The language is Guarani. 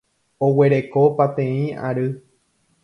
Oguereko pateĩ ary.